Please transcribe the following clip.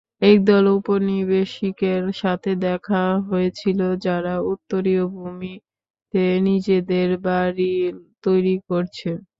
একদল ঔপনিবেশিকের সাথে দেখা হয়েছিল যারা উত্তরীয় ভূমিতে নিজেদের বাড়ি তৈরি করছে।